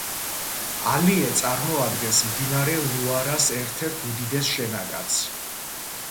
ალიე წარმოადგენს მდინარე ლუარას ერთ-ერთ უდიდეს შენაკადს.